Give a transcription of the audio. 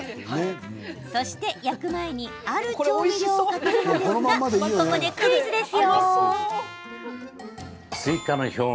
そして、焼く前にある調味料をかけるのですがここでクイズです。